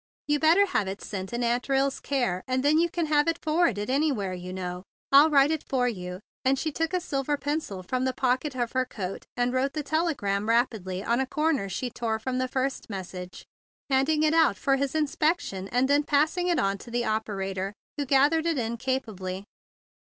"You better have it sent in Aunt Rill's care; and then you can have it for¬ warded anywhere, you know. I'll write it for you;" and she took a silver pencil from the pocket of her coat, and wrote the telegram rapidly on a corner she THE BIG BLUE SOLDIER 133 tore from the first message, handing it out for his inspection and then passing it on to the operator, who gathered it in capably.